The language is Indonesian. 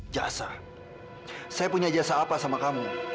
jasa saya punya jasa apa sama kamu